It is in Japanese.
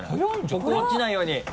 ここ落ちないように。